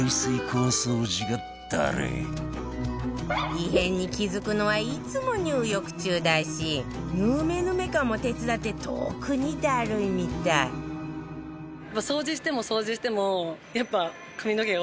異変に気付くのはいつも入浴中だしヌメヌメ感も手伝って特にダルいみたいぐらいな勢い。